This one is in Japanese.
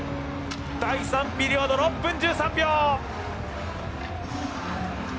第３ピリオド、６分１３秒。